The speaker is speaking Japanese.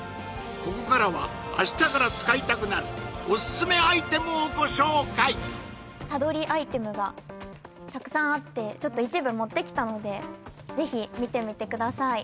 ここからは明日から使いたくなるオススメアイテムをご紹介他撮りアイテムがたくさんあってちょっと一部持ってきたのでぜひ見てみてください